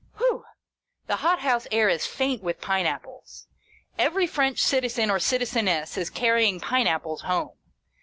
Whew ! The hot house air is faint with pine apples. Every French citizen or citizeness is carrying pine apples home.